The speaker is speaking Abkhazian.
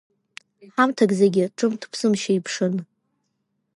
Ҳамҭак зегьы ҿымҭ-ԥсымшьа иԥшын.